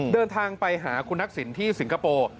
เดินทางไปหาคุณทักษิณที่สิงคโปร์